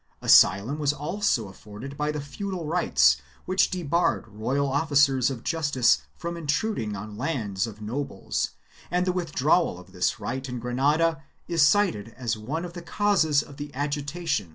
4 Asylum was also afforded by the feudal rights which debarred royal officers of justice from intruding on lands of nobles, and the withdrawal of this right in Granada is cited as one of the 1 Llorente, Hist. crft.